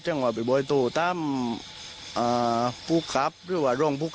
ถึงตอนนั้นใครไปช่วยที่แล้วเห็นนัก